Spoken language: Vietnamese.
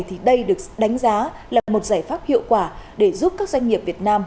thì đây được đánh giá là một giải pháp hiệu quả để giúp các doanh nghiệp việt nam